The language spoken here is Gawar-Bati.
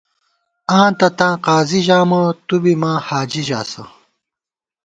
آں تہ تاں قاضی ژامہ تُو بی ماں حاجی ژاسہ